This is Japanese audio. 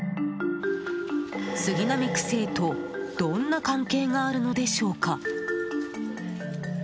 杉並区政とどんな関係があるのでしょうか？